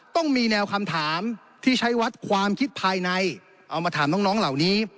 ต้องมีแนวคำถามที่ใช้วัดความคิดภายในเอามาถามน้องเหล่านี้